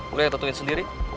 lo yang tentuin sendiri